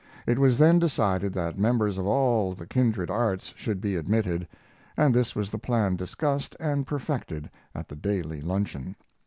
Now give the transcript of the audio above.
It was then decided that members of all the kindred arts should be admitted, and this was the plan discussed and perfected at the Daly luncheon.